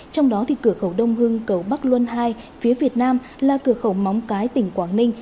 trong đó thì cửa khẩu đông hưng cầu bắc luân ii phía việt nam là cửa khẩu móng cái tỉnh quảng ninh